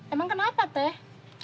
emang kenapa teh